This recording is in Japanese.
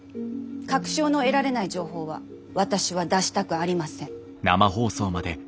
確証の得られない情報は私は出したくありません。